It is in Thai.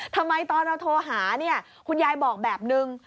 ทำไมตอนเราโทรหาเนี่ยคุณยายบอกแบบนึง